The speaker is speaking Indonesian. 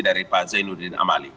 dari pak zainuddin amali